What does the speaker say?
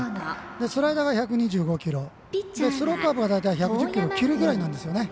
スライダーが１２５キロスローカーブが１１０キロを切るぐらいなんですよね。